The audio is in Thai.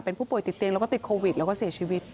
เป็นผู้ป่วยติดเตียงแล้วก็ติดโควิดแล้วก็เสียชีวิต